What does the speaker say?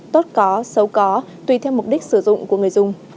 tốt có xấu có tùy theo mục đích sử dụng của người dùng